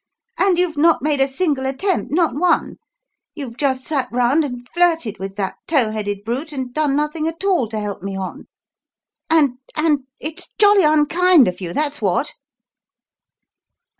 And you've not made a single attempt not one. You've just sat round and flirted with that tow headed brute and done nothing at all to help me on; and and it's jolly unkind of you, that's what!"